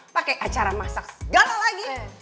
pakai acara masak segala lagi